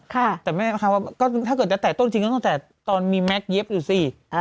แต่แม่ค้าว่าก็ถ้าเกิดจะแตะต้นจริงก็ตั้งแต่ตอนมีแม็กซเย็บอยู่สิ